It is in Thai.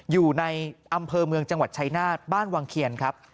อยู่ในอำเภอเมืองจังหวัดชายนาฏบ้านวังเคียนครับ